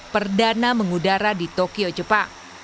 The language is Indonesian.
perdana mengudara di tokyo jepang